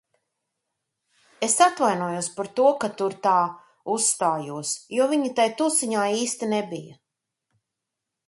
Es atvainojos par to, ka tur tā uzstājos, jo viņa tai tusiņā īsti nebija.